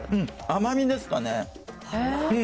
甘みですかね。